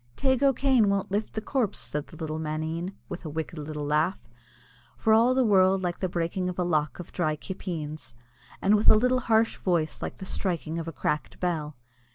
"Teig O'Kane won't lift the corpse," said the little maneen, with a wicked little laugh, for all the world like the breaking of a lock of dry kippeens, and with a little harsh voice like the striking of a cracked bell.